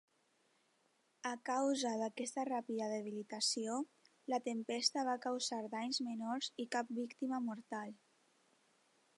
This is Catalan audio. A causa d'aquesta ràpida debilitació, la tempesta va causar danys menors i cap víctima mortal.